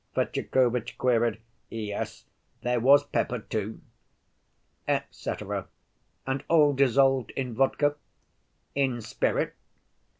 Fetyukovitch queried. "Yes, there was pepper, too." "Etcetera. And all dissolved in vodka?" "In spirit."